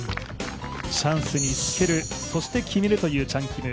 チャンスにつける、そして決めるというチャン・キム。